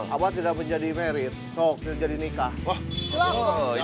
abang tidak menjadi married